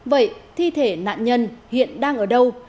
vậy thi thể nạn nhân hiện đang ở đâu